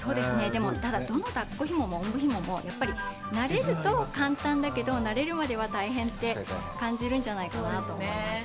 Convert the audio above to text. でもただどのだっこひももおんぶひももやっぱり慣れると簡単だけど慣れるまでは大変って感じるんじゃないかなと思います。